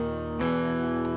udah gak usah sedih